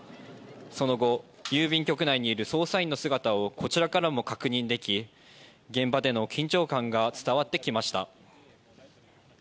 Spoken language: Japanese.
その後、郵便局内の捜査員の姿をこちらからも確認でき現場での緊張感が伝わってきました。